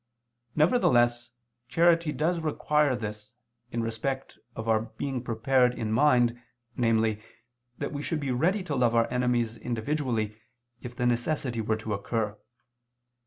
Nevertheless charity does require this, in respect of our being prepared in mind, namely, that we should be ready to love our enemies individually, if the necessity were to occur.